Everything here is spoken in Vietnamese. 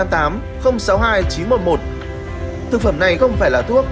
thực phẩm này không phải là thuốc